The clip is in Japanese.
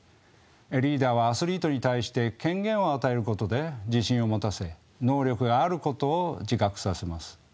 リーダーはアスリートに対して権限を与えることで自信を持たせ能力があることを自覚させます。